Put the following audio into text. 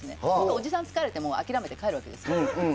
おじさん疲れて諦めて帰るわけです。